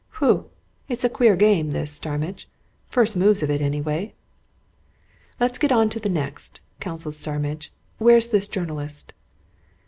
"Whew! it's a queer game, this, Starmidge. First moves of it, anyway." "Let's get on to the next," counselled Starmidge. "Where's this journalist?"